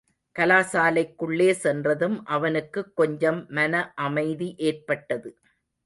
கலாசாலைக்குள்ளே சென்றதும், அவனுக்குக் கொஞ்சம் மனஅமைதி ஏற்பட்டது.